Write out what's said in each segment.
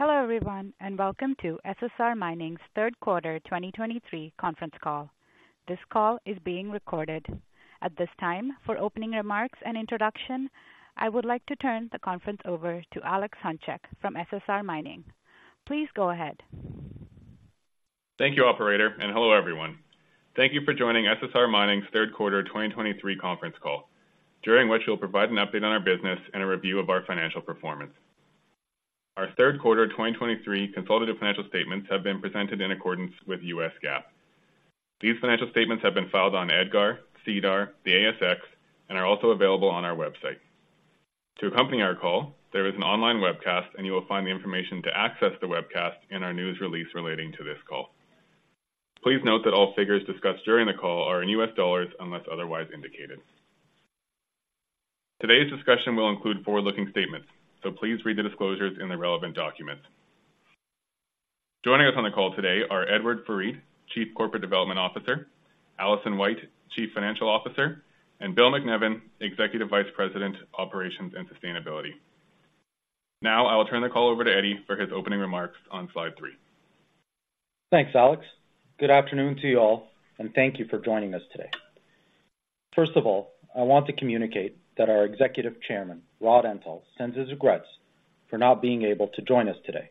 Hello everyone, and welcome to SSR Mining's third quarter 2023 conference call. This call is being recorded. At this time, for opening remarks and introduction, I would like to turn the conference over to Alex Hunchak from SSR Mining. Please go ahead. Thank you, operator, and hello everyone. Thank you for joining SSR Mining's third quarter 2023 conference call, during which we'll provide an update on our business and a review of our financial performance. Our third quarter 2023 consolidated financial statements have been presented in accordance with U.S. GAAP. These financial statements have been filed on EDGAR, SEDAR, the ASX, and are also available on our website. To accompany our call, there is an online webcast, and you will find the information to access the webcast in our news release relating to this call. Please note that all figures discussed during the call are in U.S. dollars, unless otherwise indicated. Today's discussion will include forward-looking statements, so please read the disclosures in the relevant documents. Joining us on the call today are Edward Farid, Chief Corporate Development Officer; Alison White, Chief Financial Officer; and Bill MacNevin, Executive Vice President, Operations and Sustainability. Now, I will turn the call over to Eddie for his opening remarks on slide three. Thanks, Alex. Good afternoon to you all, and thank you for joining us today. First of all, I want to communicate that our Executive Chairman, Rod Antal, sends his regrets for not being able to join us today.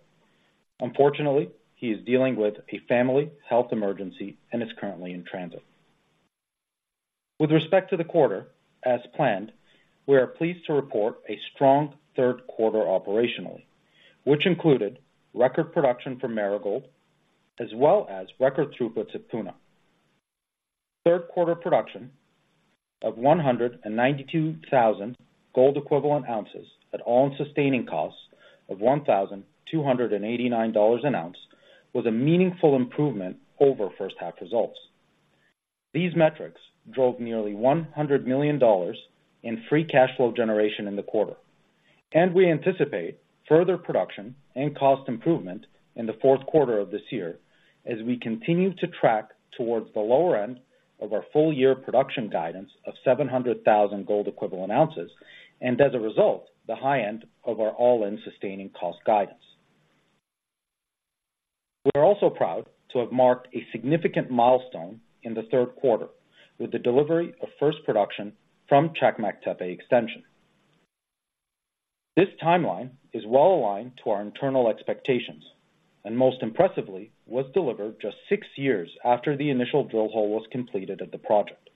Unfortunately, he is dealing with a family health emergency and is currently in transit. With respect to the quarter, as planned, we are pleased to report a strong third quarter operationally, which included record production for Marigold, as well as record throughputs at Puna. Third quarter production of 192,000 gold equivalent ounces at all-in sustaining costs of $1,289 an ounce, was a meaningful improvement over first half results. These metrics drove nearly $100 million in free cash flow generation in the quarter, and we anticipate further production and cost improvement in the fourth quarter of this year as we continue to track towards the lower end of our full-year production guidance of 700,000 gold equivalent ounces, and as a result, the high end of our all-in sustaining cost guidance. We are also proud to have marked a significant milestone in the third quarter with the delivery of first production from Çakmaktepe Extension. This timeline is well aligned to our internal expectations, and most impressively, was delivered just six years after the initial drill hole was completed at the project.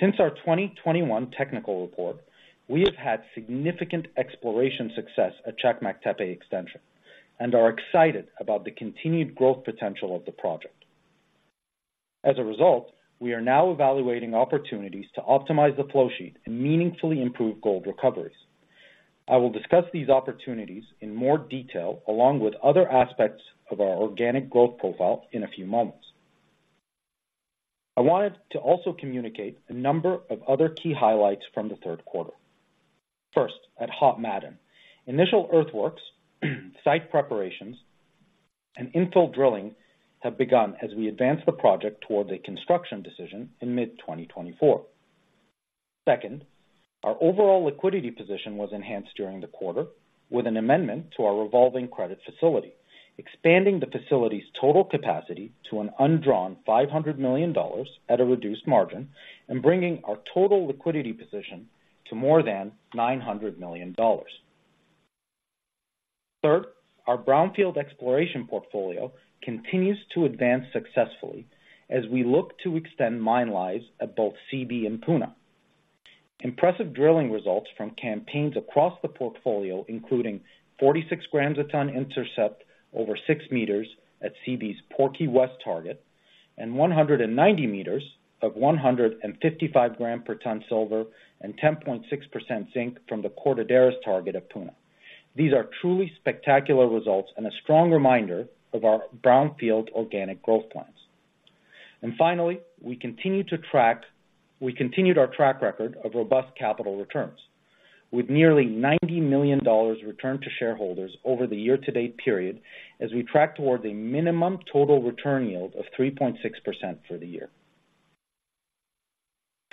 Since our 2021 technical report, we have had significant exploration success at Çakmaktepe Extension and are excited about the continued growth potential of the project. As a result, we are now evaluating opportunities to optimize the flow sheet and meaningfully improve gold recoveries. I will discuss these opportunities in more detail, along with other aspects of our organic growth profile in a few moments. I wanted to also communicate a number of other key highlights from the third quarter. First, at Hod Maden, initial earthworks, site preparations, and infill drilling have begun as we advance the project toward a construction decision in mid-2024. Second, our overall liquidity position was enhanced during the quarter with an amendment to our revolving credit facility, expanding the facility's total capacity to an undrawn $500 million at a reduced margin and bringing our total liquidity position to more than $900 million. Third, our brownfield exploration portfolio continues to advance successfully as we look to extend mine lives at both Seabee and Puna. Impressive drilling results from campaigns across the portfolio, including 46 grams a ton intercept over 6 meters at Seabee's Porky West target and 190 meters of 155 gram per ton silver and 10.6% zinc from the Cortaderas target at Puna. These are truly spectacular results and a strong reminder of our brownfield organic growth plans. Finally, we continued our track record of robust capital returns with nearly $90 million returned to shareholders over the year-to-date period as we track toward a minimum total return yield of 3.6% for the year.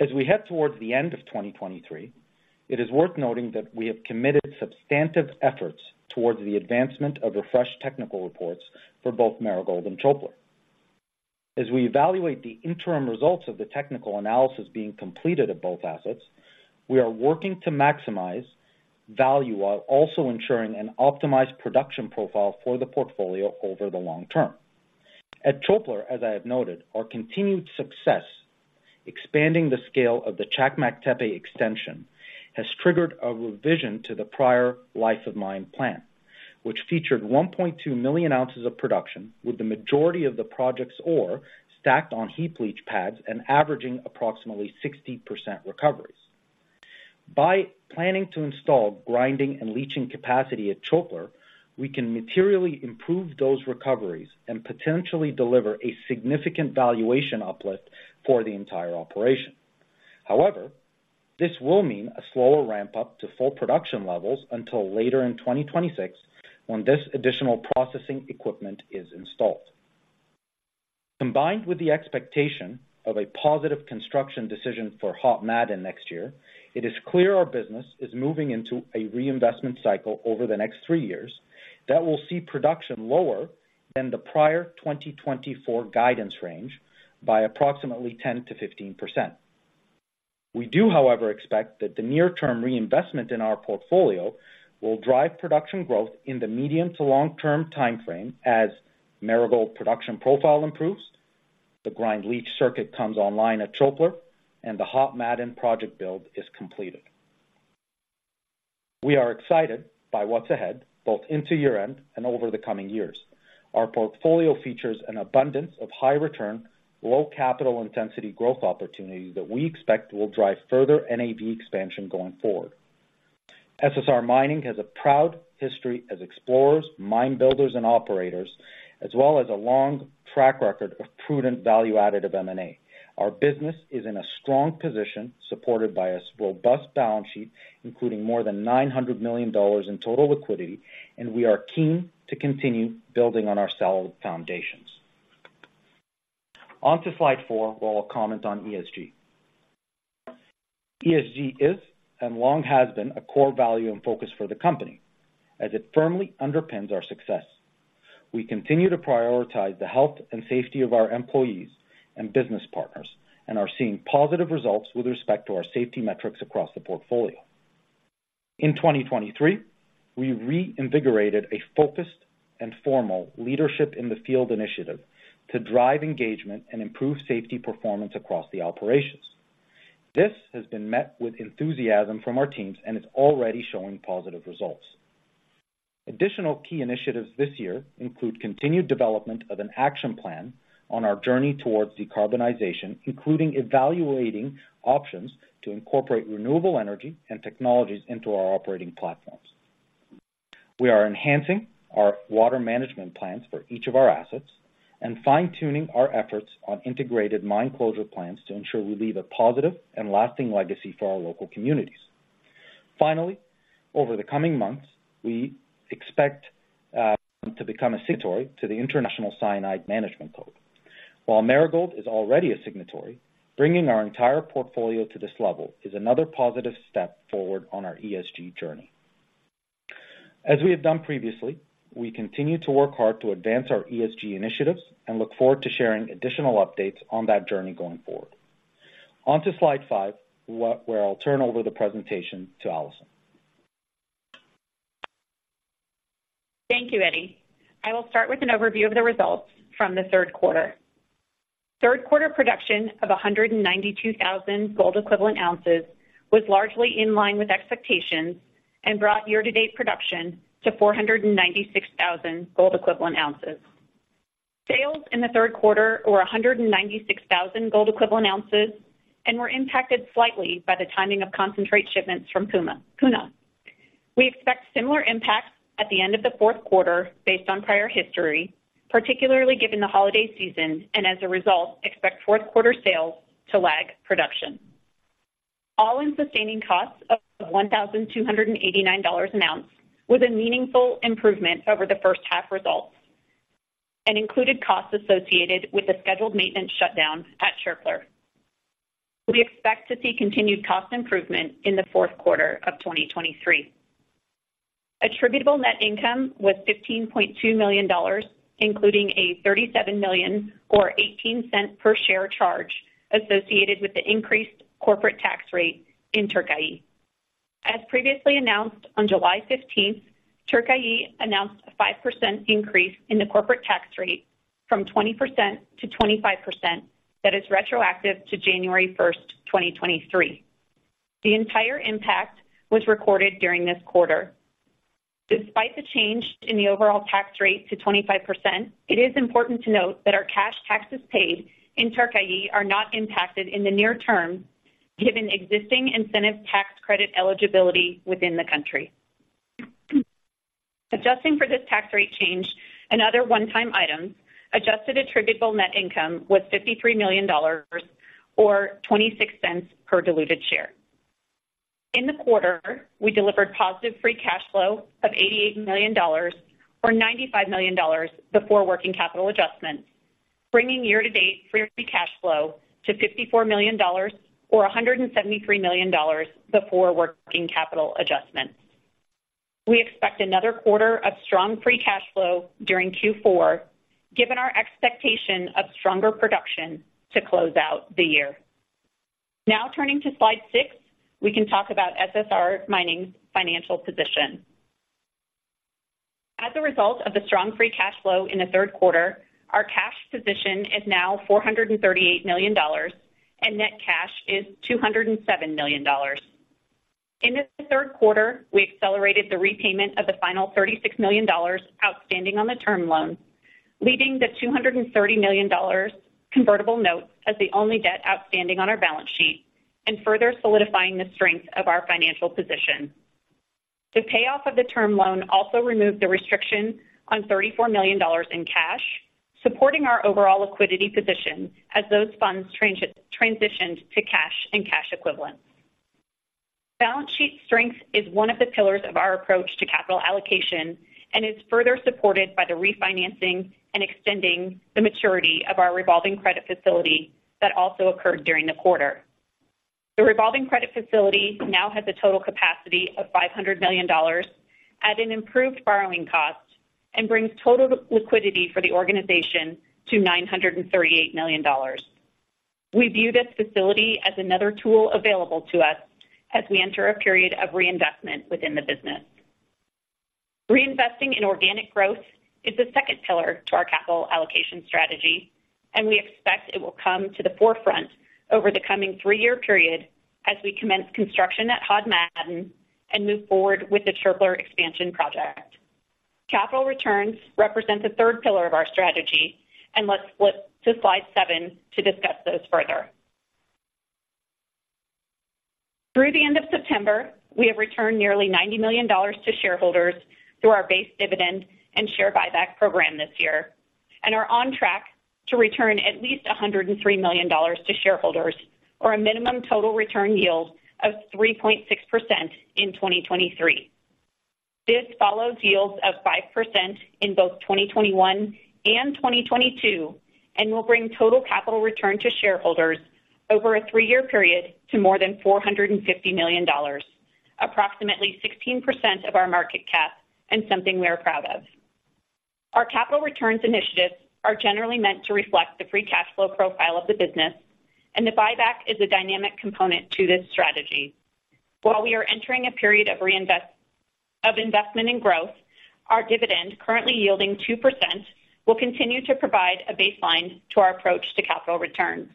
As we head towards the end of 2023, it is worth noting that we have committed substantive efforts towards the advancement of refreshed technical reports for both Marigold and Çöpler. As we evaluate the interim results of the technical analysis being completed at both assets, we are working to maximize value while also ensuring an optimized production profile for the portfolio over the long term. At Çöpler, as I have noted, our continued success expanding the scale of the Çakmaktepe extension has triggered a revision to the prior life of mine plan, which featured 1.2 million ounces of production, with the majority of the project's ore stacked on heap leach pads and averaging approximately 60% recoveries. By planning to install grinding and leaching capacity at Çöpler, we can materially improve those recoveries and potentially deliver a significant valuation uplift for the entire operation. However, this will mean a slower ramp-up to full production levels until later in 2026, when this additional processing equipment is installed. Combined with the expectation of a positive construction decision for Hod Maden next year, it is clear our business is moving into a reinvestment cycle over the next three years that will see production lower than the prior 2024 guidance range by approximately 10%-15%. We do, however, expect that the near-term reinvestment in our portfolio will drive production growth in the medium to long-term timeframe as Marigold production profile improves, the grind leach circuit comes online at Çöpler, and the Hod Maden project build is completed. We are excited by what's ahead, both into year-end and over the coming years. Our portfolio features an abundance of high return, low capital intensity growth opportunities that we expect will drive further NAV expansion going forward. SSR Mining has a proud history as explorers, mine builders, and operators, as well as a long track record of prudent value added of M&A. Our business is in a strong position, supported by a robust balance sheet, including more than $900 million in total liquidity, and we are keen to continue building on our solid foundations. On to slide four, where I'll comment on ESG. ESG is, and long has been, a core value and focus for the company as it firmly underpins our success. We continue to prioritize the health and safety of our employees and business partners and are seeing positive results with respect to our safety metrics across the portfolio. In 2023, we reinvigorated a focused and formal leadership in the field initiative to drive engagement and improve safety performance across the operations. This has been met with enthusiasm from our teams and is already showing positive results. Additional key initiatives this year include continued development of an action plan on our journey towards decarbonization, including evaluating options to incorporate renewable energy and technologies into our operating platforms. We are enhancing our water management plans for each of our assets and fine-tuning our efforts on integrated mine closure plans to ensure we leave a positive and lasting legacy for our local communities. Finally, over the coming months, we expect to become a signatory to the International Cyanide Management Code. While Marigold is already a signatory, bringing our entire portfolio to this level is another positive step forward on our ESG journey. As we have done previously, we continue to work hard to advance our ESG initiatives and look forward to sharing additional updates on that journey going forward. On to slide five, where I'll turn over the presentation to Alison. Thank you, Eddie. I will start with an overview of the results from the third quarter. Third quarter production of 192,000 gold equivalent ounces was largely in line with expectations and brought year-to-date production to 496,000 gold equivalent ounces. Sales in the third quarter were 196,000 gold equivalent ounces and were impacted slightly by the timing of concentrate shipments from Puna. We expect similar impacts at the end of the fourth quarter based on prior history, particularly given the holiday season, and as a result, expect fourth quarter sales to lag production. All-in sustaining costs of $1,289 an ounce was a meaningful improvement over the first half results and included costs associated with the scheduled maintenance shutdown at Çöpler. We expect to see continued cost improvement in the fourth quarter of 2023. Attributable net income was $15.2 million, including a $37 million, or $0.18 per share charge associated with the increased corporate tax rate in Türkiye. As previously announced on July 15, Türkiye announced a 5% increase in the corporate tax rate from 20%-25%. That is retroactive to January 1st, 2023. The entire impact was recorded during this quarter. Despite the change in the overall tax rate to 25%, it is important to note that our cash taxes paid in Türkiye are not impacted in the near term, given existing incentive tax credit eligibility within the country. Adjusting for this tax rate change and other one-time items, adjusted attributable net income was $53 million, or $0.26 per diluted share. In the quarter, we delivered positive free cash flow of $88 million, or $95 million, before working capital adjustments, bringing year-to-date free cash flow to $54 million, or $173 million before working capital adjustments. We expect another quarter of strong free cash flow during Q4, given our expectation of stronger production to close out the year. Now, turning to slide six, we can talk about SSR Mining's financial position. As a result of the strong free cash flow in the third quarter, our cash position is now $438 million, and net cash is $207 million. In the third quarter, we accelerated the repayment of the final $36 million outstanding on the term loan, leaving the $230 million convertible note as the only debt outstanding on our balance sheet and further solidifying the strength of our financial position. The payoff of the term loan also removed the restriction on $34 million in cash, supporting our overall liquidity position as those funds transitioned to cash and cash equivalents. Balance sheet strength is one of the pillars of our approach to capital allocation and is further supported by the refinancing and extending the maturity of our revolving credit facility that also occurred during the quarter. The revolving credit facility now has a total capacity of $500 million at an improved borrowing cost, and brings total liquidity for the organization to $938 million. We view this facility as another tool available to us as we enter a period of reinvestment within the business. Reinvesting in organic growth is the second pillar to our capital allocation strategy, and we expect it will come to the forefront over the coming three-year period as we commence construction at Hod Maden and move forward with the Çöpler expansion project. Capital returns represents the third pillar of our strategy, and let's flip to slide seven to discuss those further. Through the end of September, we have returned nearly $90 million to shareholders through our base dividend and share buyback program this year, and are on track to return at least $103 million to shareholders, or a minimum total return yield of 3.6% in 2023. This follows yields of 5% in both 2021 and 2022, and will bring total capital return to shareholders over a three-year period to more than $450 million, approximately 16% of our market cap and something we are proud of. Our capital returns initiatives are generally meant to reflect the free cash flow profile of the business, and the buyback is a dynamic component to this strategy. While we are entering a period of investment and growth, our dividend, currently yielding 2%, will continue to provide a baseline to our approach to capital returns.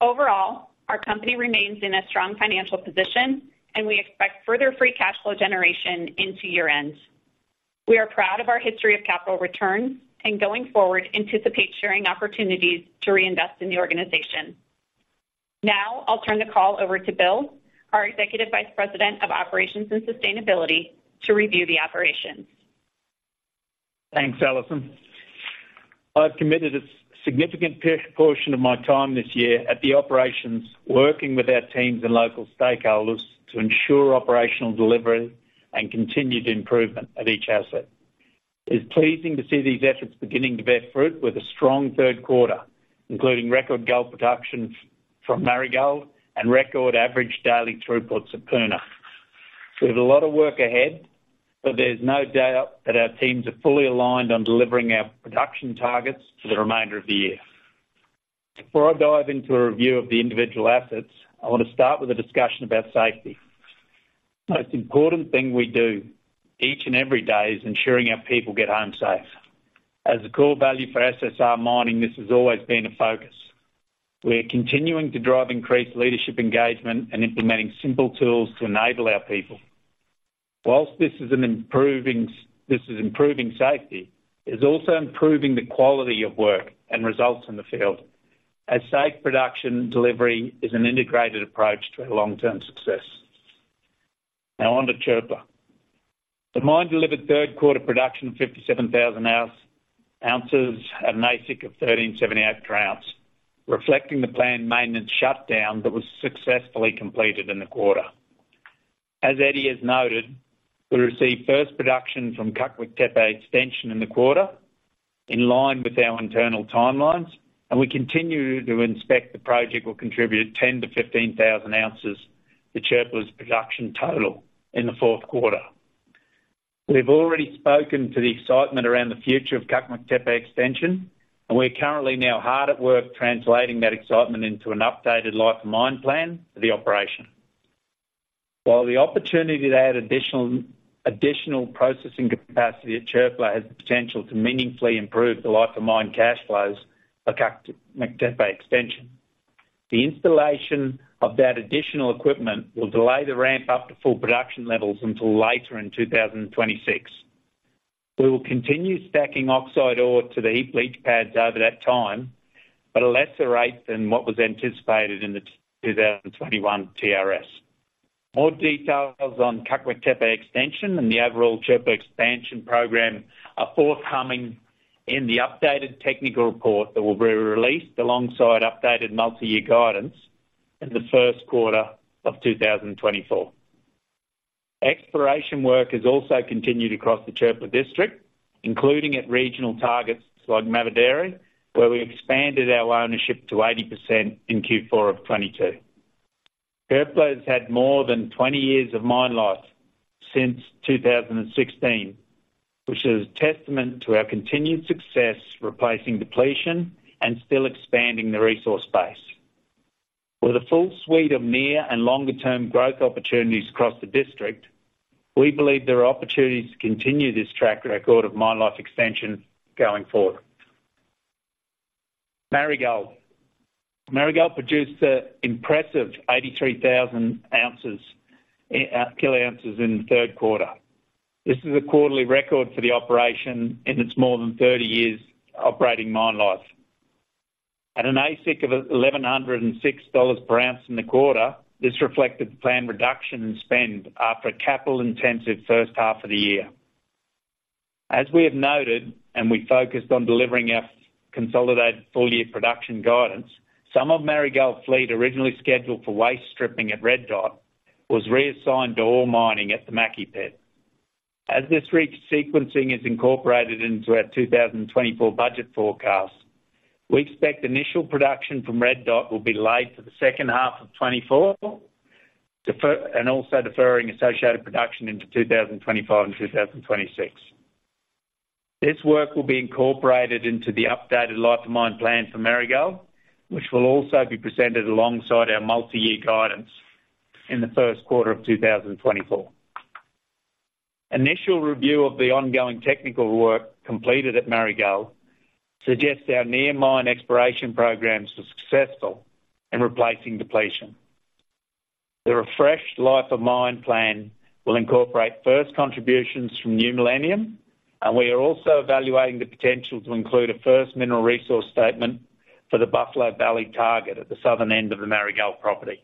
Overall, our company remains in a strong financial position, and we expect further free cash flow generation into year-end. We are proud of our history of capital returns and going forward, anticipate sharing opportunities to reinvest in the organization. Now, I'll turn the call over to Bill, our Executive Vice President of Operations and Sustainability, to review the operations. Thanks, Alison. I've committed a significant portion of my time this year at the operations, working with our teams and local stakeholders to ensure operational delivery and continued improvement at each asset. It's pleasing to see these efforts beginning to bear fruit with a strong third quarter, including record gold production from Marigold and record average daily throughputs at Puna. We have a lot of work ahead, but there's no doubt that our teams are fully aligned on delivering our production targets to the remainder of the year. Before I dive into a review of the individual assets, I want to start with a discussion about safety. Most important thing we do each and every day is ensuring our people get home safe. As a core value for SSR Mining, this has always been a focus. We are continuing to drive increased leadership engagement and implementing simple tools to enable our people. While this is an improving, this is improving safety, it is also improving the quality of work and results in the field, as safe production delivery is an integrated approach to our long-term success. Now on to Çöpler. The mine delivered third quarter production, 57,000 ounces, at an AISC of $1,378 per ounce, reflecting the planned maintenance shutdown that was successfully completed in the quarter. As Eddie has noted, we received first production from Çakmaktepe Extension in the quarter, in line with our internal timelines, and we continue to expect the project will contribute 10,000 ounces-15,000 ounces to Çöpler's production total in the fourth quarter. We've already spoken to the excitement around the future of Çakmaktepe Extension, and we're currently now hard at work translating that excitement into an updated life of mine plan for the operation. While the opportunity to add additional processing capacity at Çöpler has the potential to meaningfully improve the life of mine cash flows at Çakmaktepe Extension, the installation of that additional equipment will delay the ramp up to full production levels until later in 2026. We will continue stacking oxide ore to the heap leach pads over that time, but at a lesser rate than what was anticipated in the 2021 TRS. More details on Çakmaktepe Extension and the overall Çöpler expansion program are forthcoming in the updated technical report that will be released alongside updated multi-year guidance in the first quarter of 2024. Exploration work has also continued across the Çöpler district, including at regional targets like Mavidere, where we expanded our ownership to 80% in Q4 of 2022. Çöpler has had more than 20 years of mine life since 2016, which is a testament to our continued success replacing depletion and still expanding the resource base. With a full suite of near and longer-term growth opportunities across the district, we believe there are opportunities to continue this track record of mine life extension going forward. Marigold. Marigold produced an impressive 83,000 ounces in the third quarter. This is a quarterly record for the operation in its more than 30 years operating mine life. At an AISC of $1,106 per ounce in the quarter, this reflected the planned reduction in spend after a capital-intensive first half of the year. As we have noted, we focused on delivering our consolidated full-year production guidance, some of Marigold's fleet, originally scheduled for waste stripping at Red Dot, was reassigned to ore mining at the Mackay Pit. As this resequencing is incorporated into our 2024 budget forecast, we expect initial production from Red Dot will be delayed to the second half of 2024, defer, and also deferring associated production into 2025 and 2026. This work will be incorporated into the updated life of mine plan for Marigold, which will also be presented alongside our multi-year guidance in the first quarter of 2024. Initial review of the ongoing technical work completed at Marigold suggests our near mine exploration programs were successful in replacing depletion. The refreshed life of mine plan will incorporate first contributions from New Millennium, and we are also evaluating the potential to include a first mineral resource statement for the Buffalo Valley target at the southern end of the Marigold property.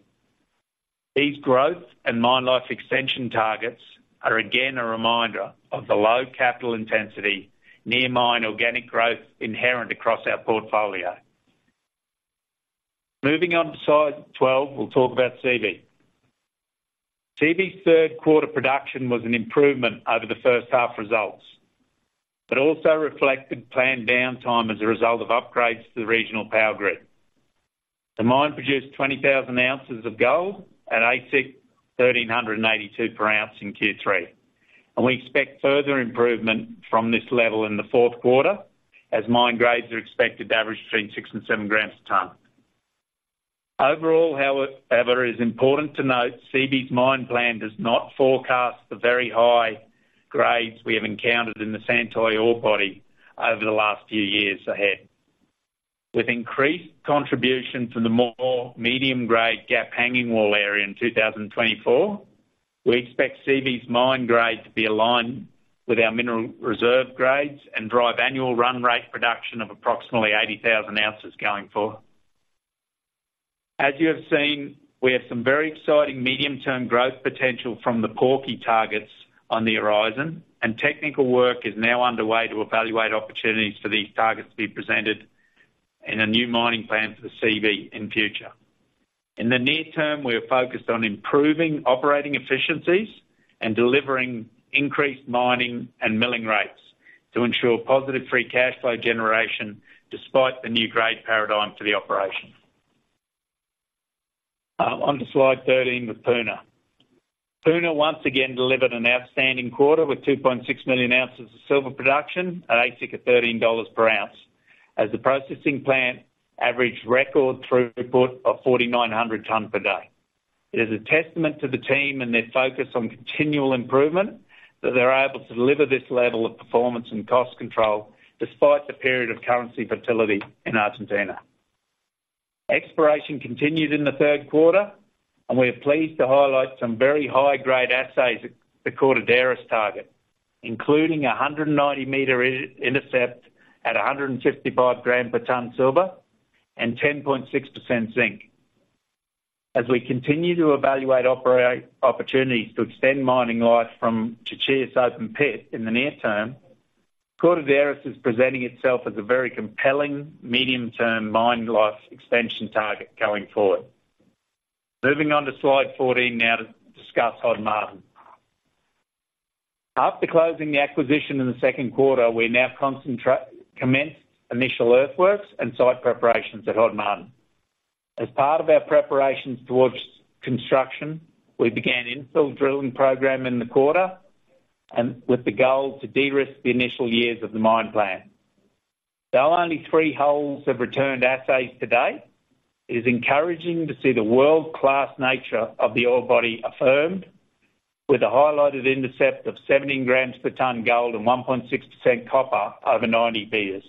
These growth and mine life extension targets are, again, a reminder of the low capital intensity, near mine organic growth inherent across our portfolio. Moving on to slide 12, we'll talk about Seabee. Seabee's third quarter production was an improvement over the first half results, but also reflected planned downtime as a result of upgrades to the regional power grid. The mine produced 20,000 ounces of gold at AISC of $1,382 per ounce in Q3, and we expect further improvement from this level in the fourth quarter as mine grades are expected to average between 6and 7 grams a ton. Overall, however, it is important to note, Seabee's mine plan does not forecast the very high grades we have encountered in the Santoy ore body over the last few years ahead. With increased contribution to the more medium-grade Gap Hanging Wall area in 2024, we expect Seabee's mine grade to be aligned with our mineral reserve grades and drive annual run rate production of approximately 80,000 ounces going forward. As you have seen, we have some very exciting medium-term growth potential from the Porky targets on the horizon, and technical work is now underway to evaluate opportunities for these targets to be presented in a new mining plan for the Seabee in future. In the near term, we are focused on improving operating efficiencies and delivering increased mining and milling rates to ensure positive free cash flow generation, despite the new grade paradigm for the operation. On to slide 13, with Puna. Puna once again delivered an outstanding quarter with 2.6 million ounces of silver production at AISC of $13 per ounce, as the processing plant averaged record throughput of 4,900 tons per day. It is a testament to the team and their focus on continual improvement, that they're able to deliver this level of performance and cost control despite the period of currency volatility in Argentina. Exploration continued in the third quarter, and we are pleased to highlight some very high-grade assays at the Cortaderas target, including a 190-meter intercept at 155 grams per tonne silver and 10.6% zinc. As we continue to evaluate opportunities to extend mining life from Chinchillas open pit in the near term, Cortaderas is presenting itself as a very compelling medium-term mine life expansion target going forward. Moving on to slide 14 now to discuss Hod Maden. After closing the acquisition in the second quarter, we now commenced initial earthworks and site preparations at Hod Maden. As part of our preparations towards construction, we began infill drilling program in the quarter, and with the goal to de-risk the initial years of the mine plan. There are only three holes have returned assays to date. It is encouraging to see the world-class nature of the ore body affirmed with a highlighted intercept of 17 grams per ton gold and 1.6% copper over 90 meters.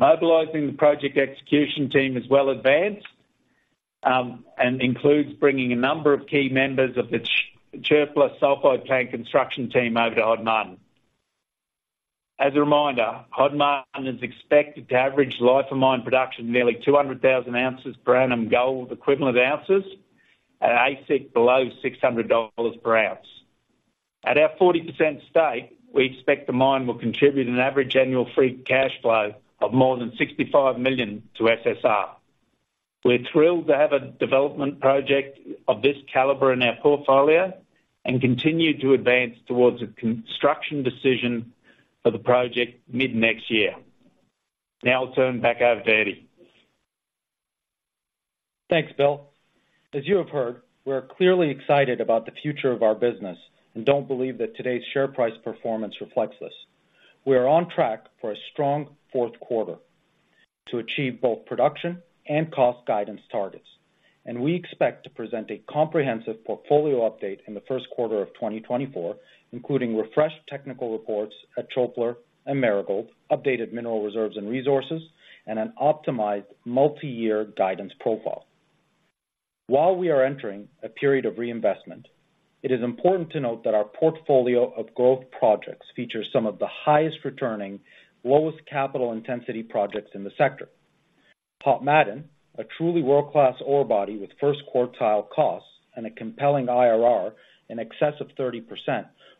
Mobilizing the project execution team is well advanced, and includes bringing a number of key members of the Çöpler Sulfide plant construction team over to Hod Maden. As a reminder, Hod Maden is expected to average life of mine production, nearly 200,000 ounces per annum, gold equivalent ounces, at AISC below $600 per ounce. At our 40% stake, we expect the mine will contribute an average annual free cash flow of more than $65 million to SSR. We're thrilled to have a development project of this caliber in our portfolio, and continue to advance towards a construction decision for the project mid-next year. Now I'll turn it back over to Eddie Thanks, Bill. As you have heard, we are clearly excited about the future of our business and don't believe that today's share price performance reflects this. We are on track for a strong fourth quarter to achieve both production and cost guidance targets, and we expect to present a comprehensive portfolio update in the first quarter of 2024, including refreshed technical reports at Çöpler and Marigold, updated mineral reserves and resources, and an optimized multi-year guidance profile. While we are entering a period of reinvestment, it is important to note that our portfolio of growth projects features some of the highest returning, lowest capital intensity projects in the sector. Hod Maden, a truly world-class ore body with first quartile costs and a compelling IRR in excess of 30%,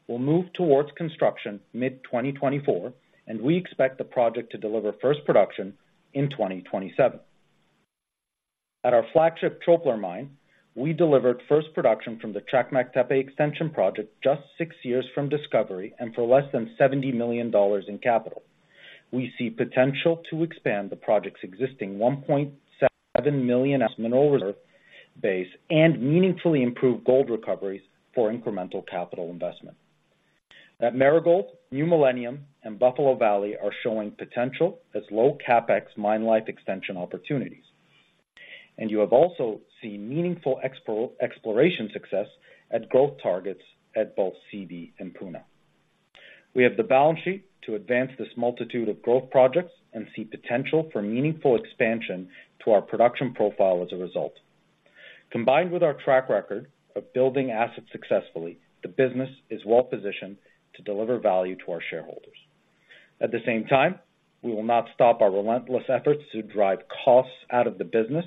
will move towards construction mid-2024, and we expect the project to deliver first production in 2027. At our flagship Çöpler mine, we delivered first production from the Çakmaktepe Extension project just six years from discovery and for less than $70 million in capital. We see potential to expand the project's existing 1.7 million estimate over base and meaningfully improve gold recoveries for incremental capital investment. At Marigold, New Millennium and Buffalo Valley are showing potential as low CapEx mine life extension opportunities, and you have also seen meaningful exploration success at growth targets at both Seabee and Puna. We have the balance sheet to advance this multitude of growth projects and see potential for meaningful expansion to our production profile as a result. Combined with our track record of building assets successfully, the business is well positioned to deliver value to our shareholders. At the same time, we will not stop our relentless efforts to drive costs out of the business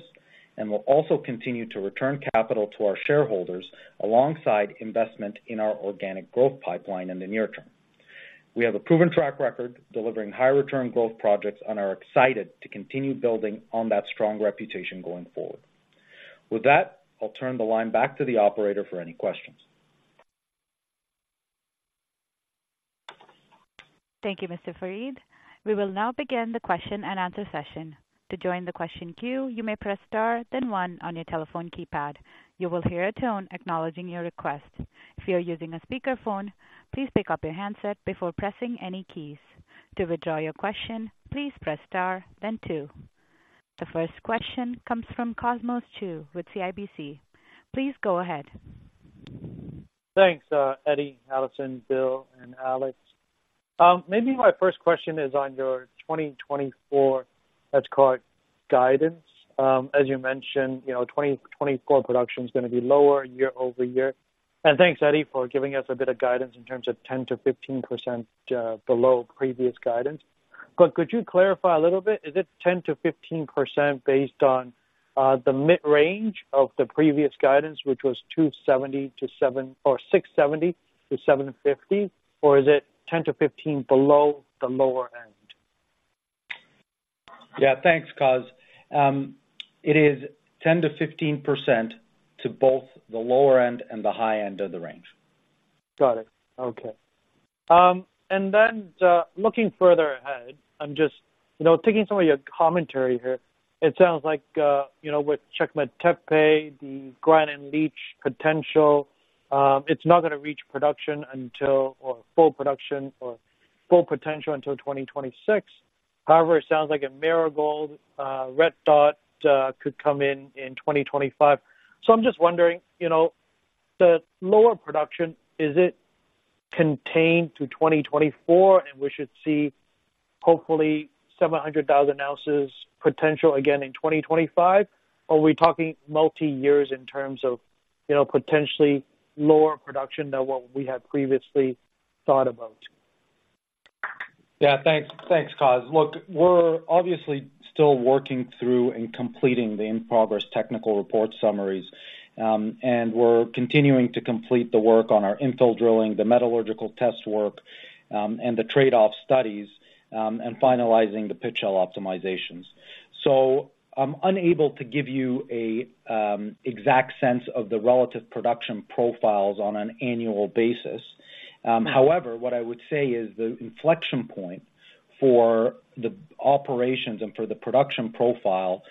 and will also continue to return capital to our shareholders alongside investment in our organic growth pipeline in the near term. We have a proven track record delivering high return growth projects and are excited to continue building on that strong reputation going forward. With that, I'll turn the line back to the operator for any questions. Thank you, Mr. Farid. We will now begin the question and answer session. To join the question queue, you may press star, then one on your telephone keypad. You will hear a tone acknowledging your request. If you are using a speakerphone, please pick up your handset before pressing any keys. To withdraw your question, please press star then two. The first question comes from Cosmos Chiu with CIBC. Please go ahead. Thanks, Eddie, Alison, Bill, and Alex. Maybe my first question is on your 2024 let's call it guidance. As you mentioned, you know, 2024 production is gonna be lower year-over-year. And thanks, Eddie, for giving us a bit of guidance in terms of 10%-15% below previous guidance. But could you clarify a little bit? Is it 10%-15% based on the mid-range of the previous guidance, which was 670-750, or is it 10%-15% below the lower end? Yeah, thanks, Cos. It is 10%-15% to both the lower end and the high end of the range. Got it. Okay. And then, looking further ahead, I'm just, you know, taking some of your commentary here. It sounds like, you know, with Çakmaktepe, the grind and leach potential, it's not gonna reach production until, or full production or full potential until 2026. However, it sounds like at Marigold, Red Dot, could come in in 2025. So I'm just wondering, you know, the lower production, is it contained to 2024, and we should see hopefully 700,000 ounces potential again in 2025, or are we talking multi years in terms of, you know, potentially lower production than what we had previously thought about? Yeah, thanks. Thanks, Cos. Look, we're obviously still working through and completing the in-progress technical report summaries, and we're continuing to complete the work on our infill drilling, the metallurgical test work, and the trade-off studies, and finalizing the pit shell optimizations. So I'm unable to give you a exact sense of the relative production profiles on an annual basis. However, what I would say is, the inflection point for the operations and for the production profile,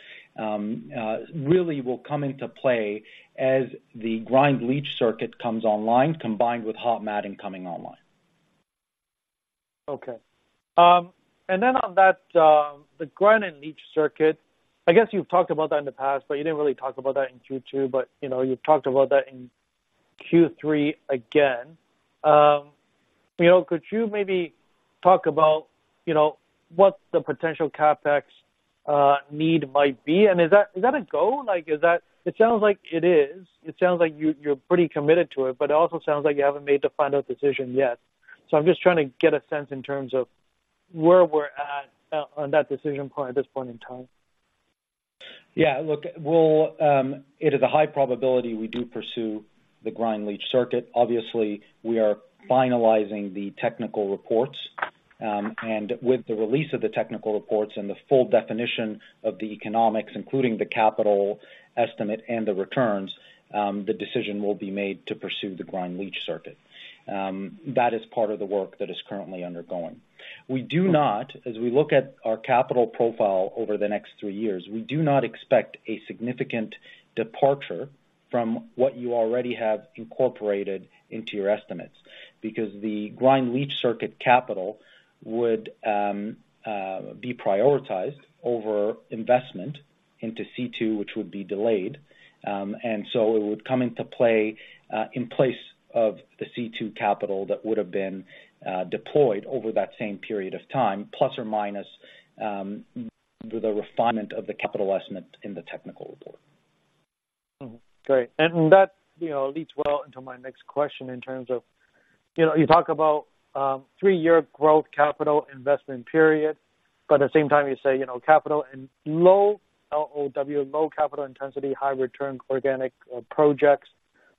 really will come into play as the grind leach circuit comes online, combined with Hod Maden coming online. Okay. And then on that, the grind and leach circuit, I guess you've talked about that in the past, but you didn't really talk about that in Q2, but, you know, you've talked about that in Q3 again. You know, could you maybe talk about, you know, what the potential CapEx need might be, and is that, is that a go? Like, is that it sounds like it is. It sounds like you're pretty committed to it, but it also sounds like you haven't made the final decision yet. So I'm just trying to get a sense in terms of where we're at on that decision point at this point in time. Yeah. Look, we'll, it is a high probability we do pursue the grind leach circuit. Obviously, we are finalizing the technical reports, and with the release of the technical reports and the full definition of the economics, including the capital estimate and the returns, the decision will be made to pursue the grind leach circuit. That is part of the work that is currently undergoing. We do not, as we look at our capital profile over the next three years, we do not expect a significant departure from what you already have incorporated into your estimates. Because the grind leach circuit capital would be prioritized over investment into C2, which would be delayed. And so it would come into play in place of the C2 capital that would have been deployed over that same period of time, plus or minus the refinement of the capital estimate in the technical report. Great. And that, you know, leads well into my next question in terms of, you know, you talk about three-year growth capital investment period, but at the same time, you say, you know, capital and low, L-O-W, low capital intensity, high return organic projects.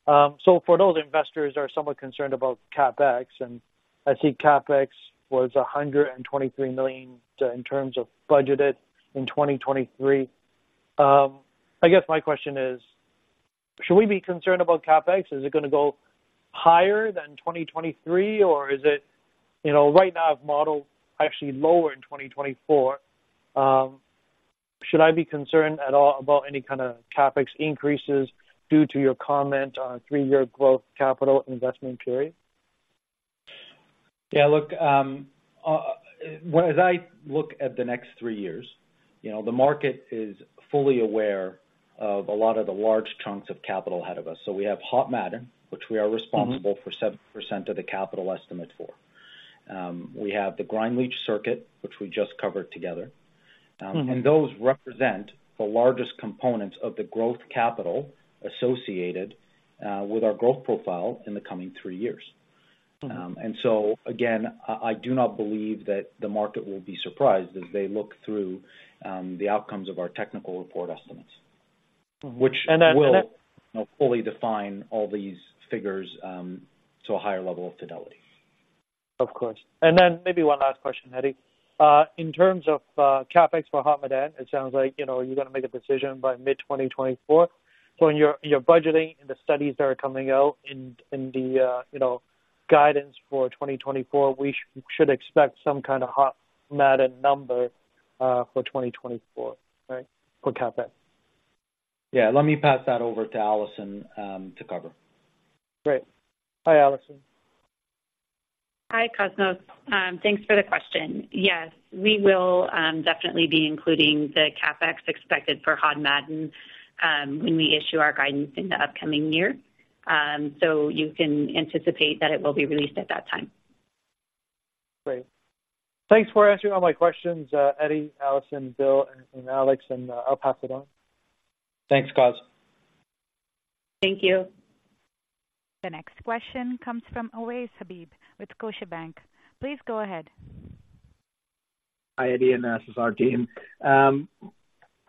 So for those investors are somewhat concerned about CapEx, and I see CapEx was $123 million in terms of budgeted in 2023. I guess my question is: Should we be concerned about CapEx? Is it gonna go higher than 2023, or is it, you know, right now, I've modeled actually lower in 2024. Should I be concerned at all about any kind of CapEx increases due to your comment on a three-year growth capital investment period? Yeah, look, as I look at the next three years, you know, the market is fully aware of a lot of the large chunks of capital ahead of us. So we have Hod Maden, which we are responsible for 7% of the capital estimate for. We have the grind leach circuit, which we just covered together. Those represent the largest components of the growth capital associated with our growth profile in the coming three years. Again, I do not believe that the market will be surprised as they look through the outcomes of our technical report estimates, which will- And then- —you know, fully define all these figures to a higher level of fidelity. Of course. And then maybe one last question, Eddie. In terms of CapEx for Hod Maden, it sounds like, you know, you're gonna make a decision by mid-2024. So in your budgeting and the studies that are coming out in the guidance for 2024, we should expect some kind of Hod Maden number for 2024, right? For CapEx. Yeah. Let me pass that over to Alison, to cover. Great. Hi, Alison. Hi, Cosmos. Thanks for the question. Yes, we will definitely be including the CapEx expected for Hod Maden when we issue our guidance in the upcoming year. You can anticipate that it will be released at that time. Great. Thanks for answering all my questions, Eddie, Alison, Bill, and Alex, and I'll pass it on. Thanks, Cos. Thank you. The next question comes from Ovais Habib, with Scotiabank. Please go ahead. Hi, Eddie, and SSR team.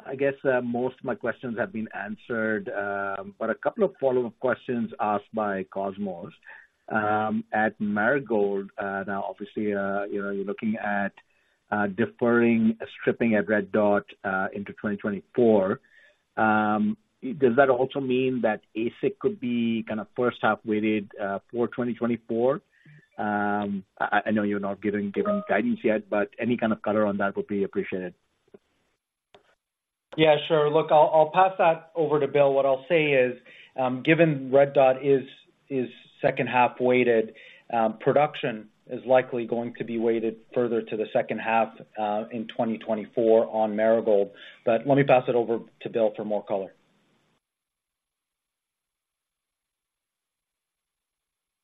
I guess, most of my questions have been answered, but a couple of follow-up questions asked by Cosmos. At Marigold, now, obviously, you know, you're looking at deferring stripping at Red Dot into 2024. Does that also mean that AISC could be kind of first half-weighted for 2024? I know you're not giving, giving guidance yet, but any kind of color on that would be appreciated. Yeah, sure. Look, I'll pass that over to Bill. What I'll say is, given Red Dot is second half-weighted, production is likely going to be weighted further to the second half, in 2024 on Marigold. But let me pass it over to Bill for more color.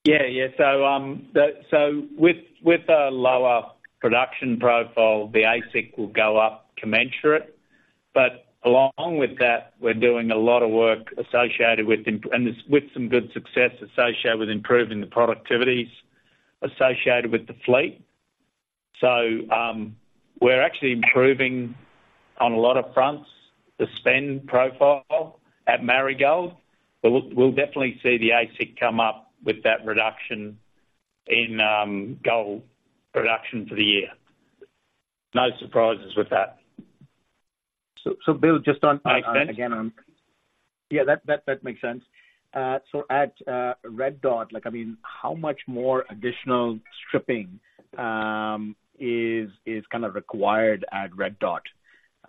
Yeah. Yeah. So, with a lower production profile, the AISC will go up commensurate. But along with that, we're doing a lot of work associated with improving and with some good success associated with improving the productivities associated with the fleet. So, we're actually improving on a lot of fronts, the spend profile at Marigold. But we'll definitely see the AISC come up with that reduction in gold production for the year. No surprises with that. So, Bill, just on- Make sense? Again on. Yeah, that, that makes sense. So at Red Dot, like, I mean, how much more additional stripping is kind of required at Red Dot?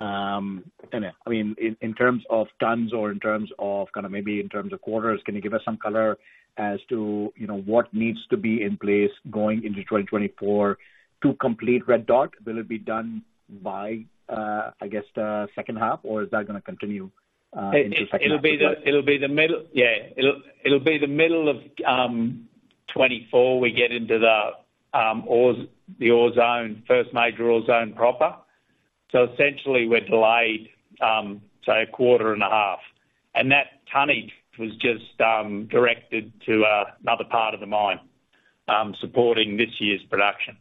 And, I mean, in terms of tons or in terms of, kind of maybe in terms of quarters, can you give us some color as to, you know, what needs to be in place going into 2024 to complete Red Dot? Will it be done by, I guess, the second half, or is that gonna continue into second half? It'll be the middle of 2024, we get into the ore zone, first major ore zone proper. So essentially, we're delayed, say, a quarter and a half. And that tonnage was just directed to another part of the mine, supporting this year's production.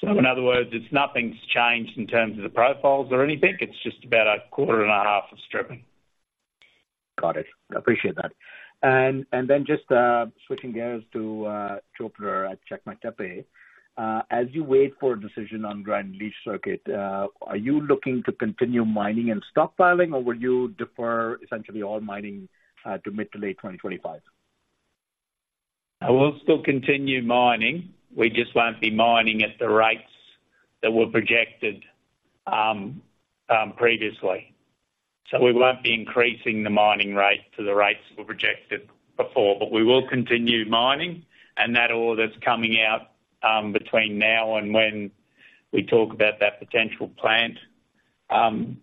So in other words, it's nothing's changed in terms of the profiles or anything. It's just about a quarter and a half of stripping. Got it. I appreciate that. And then just switching gears to Çöpler at Çakmaktepe. As you wait for a decision on grind leach circuit, are you looking to continue mining and stockpiling, or will you defer essentially all mining to mid- to late 2025? We'll still continue mining. We just won't be mining at the rates that were projected previously. So we won't be increasing the mining rates to the rates we projected before, but we will continue mining. And that ore that's coming out between now and when we talk about that potential plant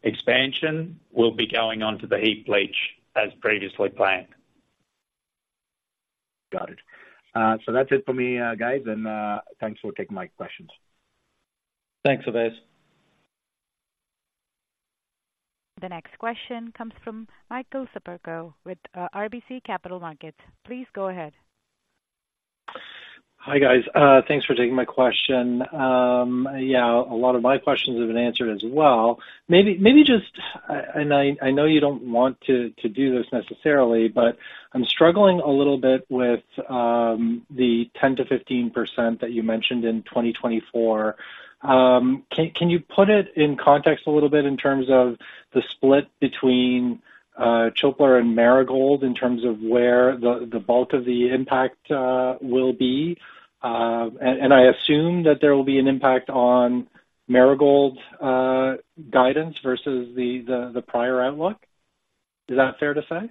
expansion will be going on to the heap leach as previously planned. Got it. So that's it for me, guys, and thanks for taking my questions. Thanks, Ovais. The next question comes from Michael Siperco with RBC Capital Markets. Please go ahead. Hi, guys. Thanks for taking my question. Yeah, a lot of my questions have been answered as well. Maybe, maybe just, and I know you don't want to do this necessarily, but I'm struggling a little bit with the 10%-15% that you mentioned in 2024. Can you put it in context a little bit in terms of the split between Çöpler and Marigold, in terms of where the bulk of the impact will be? And I assume that there will be an impact on Marigold's guidance versus the prior outlook. Is that fair to say?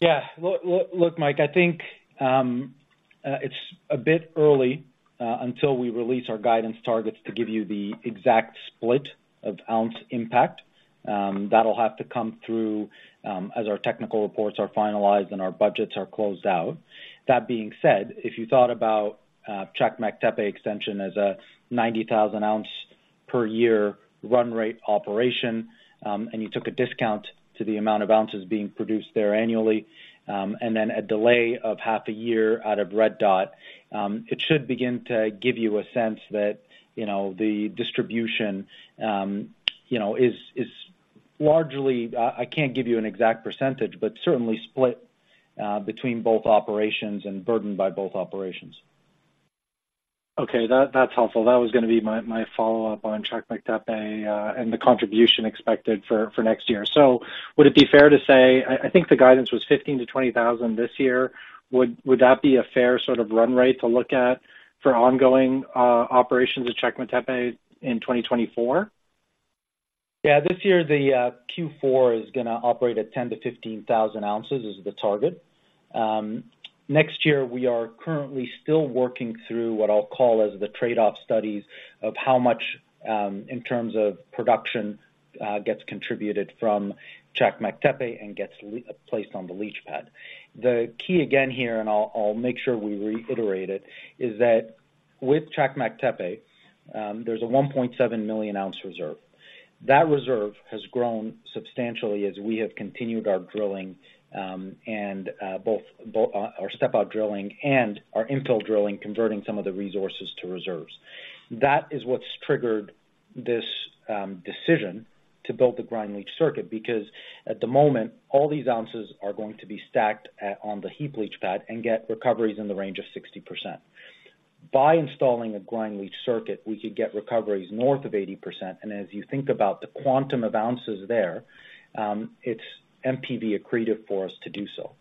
Yeah. Look, look, look, Mike, I think, it's a bit early, until we release our guidance targets to give you the exact split of ounce impact. That'll have to come through, as our technical reports are finalized and our budgets are closed out. That being said, if you thought about, Çakmaktepe extension as a 90,000 ounce per year run rate operation, and you took a discount to the amount of ounces being produced there annually, and then a delay of half a year out of Red Dot, it should begin to give you a sense that, you know, the distribution, you know, is, is largely, I can't give you an exact percentage, but certainly split, between both operations and burdened by both operations. Okay, that, that's helpful. That was gonna be my, my follow-up on Çakmaktepe, and the contribution expected for, for next year. So would it be fair to say, I, I think the guidance was 15,000-20,000 this year. Would, would that be a fair sort of run rate to look at for ongoing operations at Çakmaktepe in 2024? Yeah. This year, the Q4 is gonna operate at 10,000-15,000 ounces is the target. Next year, we are currently still working through what I'll call as the trade-off studies of how much, in terms of production, gets contributed from Çakmaktepe and gets placed on the leach pad. The key again here, and I'll make sure we reiterate it, is that with Çakmaktepe, there's a 1.7 million ounce reserve. That reserve has grown substantially as we have continued our drilling, and both our step-out drilling and our infill drilling, converting some of the resources to reserves. That is what's triggered this decision to build the grind leach circuit, because at the moment, all these ounces are going to be stacked at, on the heap leach pad and get recoveries in the range of 60%. By installing a grind leach circuit, we could get recoveries north of 80%, and as you think about the quantum of ounces there, it's NPV accretive for us to do so.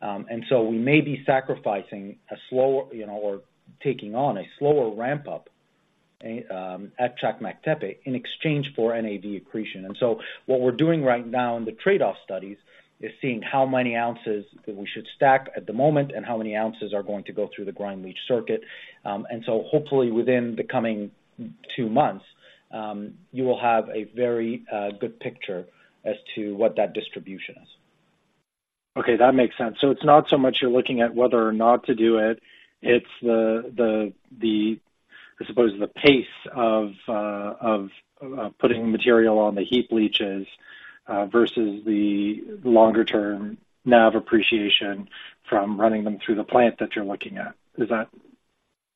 And so we may be sacrificing a slower, you know, or taking on a slower ramp-up at Çakmaktepe in exchange for NAV accretion. And so what we're doing right now in the trade-off studies is seeing how many ounces that we should stack at the moment, and how many ounces are going to go through the grind leach circuit. And so hopefully within the coming two months, you will have a very good picture as to what that distribution is. Okay, that makes sense. So it's not so much you're looking at whether or not to do it, it's the, I suppose, the pace of putting material on the heap leaches versus the longer-term NAV appreciation from running them through the plant that you're looking at. Is that,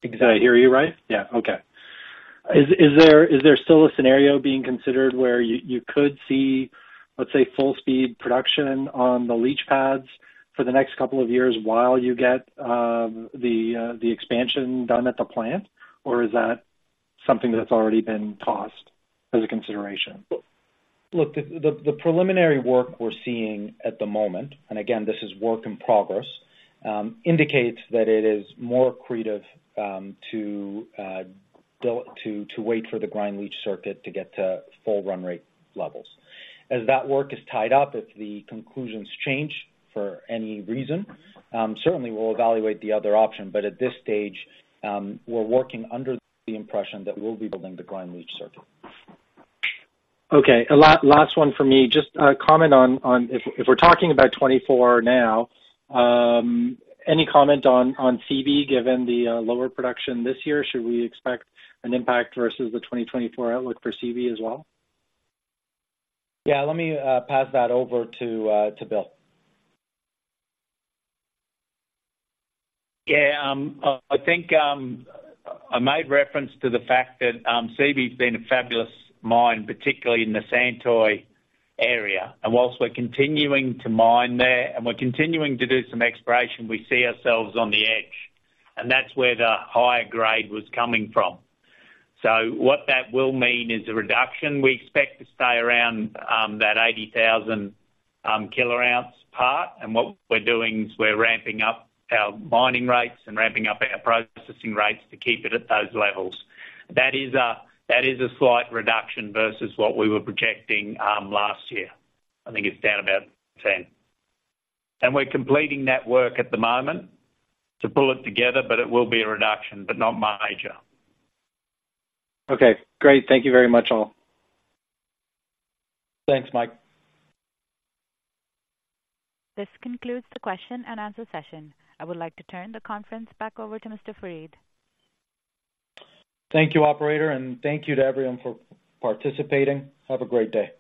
did I hear you right? Yeah. Okay. Is there still a scenario being considered where you could see, let's say, full speed production on the leach pads for the next couple of years while you get the expansion done at the plant? Or is that something that's already been tossed as a consideration? Look, the preliminary work we're seeing at the moment, and again, this is work in progress, indicates that it is more accretive to wait for the grind leach circuit to get to full run rate levels. As that work is tied up, if the conclusions change for any reason, certainly we'll evaluate the other option. But at this stage, we're working under the impression that we'll be building the grind leach circuit. Okay. Last one for me: Just comment on if we're talking about 2024 now, any comment on Seabee, given the lower production this year? Should we expect an impact versus the 2024 outlook for Seabee as well? Yeah. Let me pass that over to to Bill. Yeah, I think I made reference to the fact that Seabee's been a fabulous mine, particularly in the Santoy area. Whilst we're continuing to mine there, and we're continuing to do some exploration, we see ourselves on the edge, and that's where the higher grade was coming from. What that will mean is a reduction. We expect to stay around that 80,000 ounce mark, and what we're doing is we're ramping up our mining rates and ramping up our processing rates to keep it at those levels. That is a slight reduction versus what we were projecting last year. I think it's down about 10. We're completing that work at the moment to pull it together, but it will be a reduction, but not major. Okay, great. Thank you very much, all. Thanks, Mike. This concludes the question and answer session. I would like to turn the conference back over to Mr. Farid. Thank you, operator, and thank you to everyone for participating. Have a great day.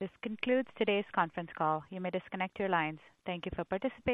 This concludes today's conference call. You may disconnect your lines. Thank you for participating.